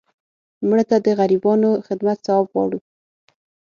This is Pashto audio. مړه ته د غریبانو خدمت ثواب غواړو